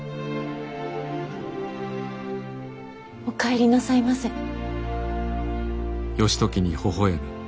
お帰りなさいませ。